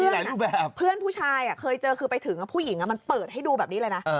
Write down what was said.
เพื่อนผู้ชายเคยเจอคือไปถึงผู้หญิงมันเปิดให้ดูแบบนี้เลยนะ